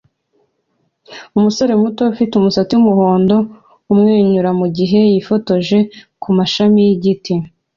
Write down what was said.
Umusore muto ufite umusatsi wumuhondo amwenyura mugihe yifotoje kumashami yigiti